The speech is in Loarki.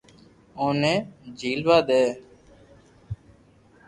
اوني جھيلوا دي